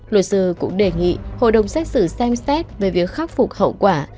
luật sư cũng đề nghị hội đồng xét xử xem xét về việc khắc phục hậu quả